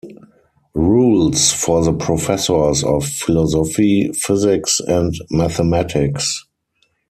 Rules for the professors of philosophy, physics, and mathematics.